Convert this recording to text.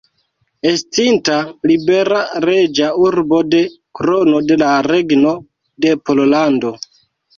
Estinta libera reĝa urbo de Krono de la Regno de Pollando.